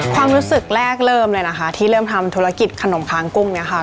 ความรู้สึกแรกเริ่มเลยนะคะที่เริ่มทำธุรกิจขนมค้างกุ้งเนี่ยค่ะ